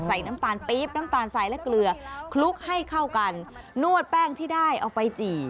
น้ำตาลปี๊บน้ำตาลทรายและเกลือคลุกให้เข้ากันนวดแป้งที่ได้เอาไปจี่